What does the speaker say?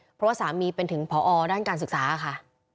เพราะว่าสามีเป็นถึงพอด้านการศึกษาค่ะ